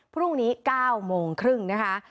พรุ่งนี้๙โมงครึ่งนะคะ